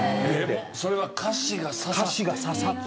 それは歌詞が刺さって？